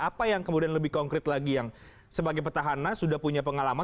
apa yang kemudian lebih konkret lagi yang sebagai petahana sudah punya pengalaman